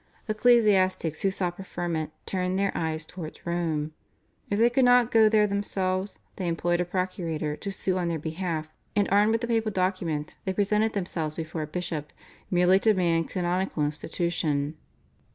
Ecclesiastics who sought preferment turned their eyes towards Rome. If they could not go there themselves, they employed a procurator to sue on their behalf, and armed with a papal document, they presented themselves before a bishop merely to demand canonical institution.